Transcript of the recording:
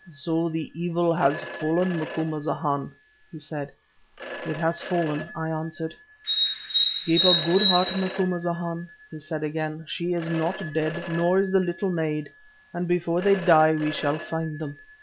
"So the evil has fallen, Macumazahn," he said. "It has fallen," I answered. "Keep a good heart, Macumazahn," he said again. "She is not dead, nor is the little maid, and before they die we shall find them.